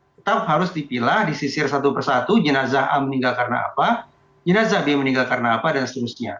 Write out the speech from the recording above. tetap harus dipilah disisir satu persatu jenazah a meninggal karena apa jenazah b meninggal karena apa dan seterusnya